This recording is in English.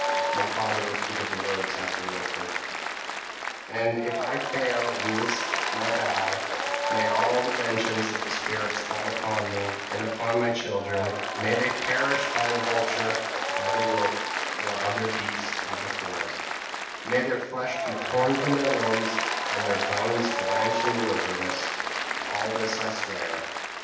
p> "My father repeated the words after Wilfred. "'And if I fail in this my vow, may all the vengeance of the spirits fall upon me and upon my children; may they perish by the vulture, by the wolf, or other beasts of the forest; may their flesh be torn from their limbs, and their bones blanch in the wilderness: all this I swear.'